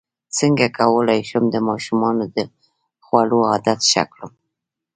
څنګه کولی شم د ماشومانو د خوړو عادت ښه کړم